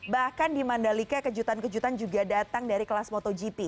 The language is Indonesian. bahkan di mandalika kejutan kejutan juga datang dari kelas motogp